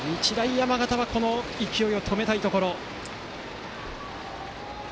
山形はこの勢いを止めたいところ。